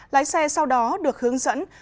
lái xe sau đó được hướng dẫn